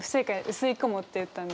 薄い雲って言ったんで。